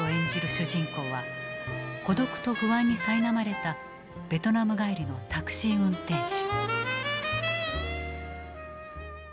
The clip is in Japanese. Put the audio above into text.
主人公は孤独と不安にさいなまれたベトナム帰りのタクシー運転手。